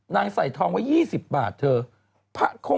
นางใส่ทองเว่ย๒๕บาทเพิ่น